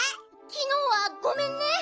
きのうはごめんね。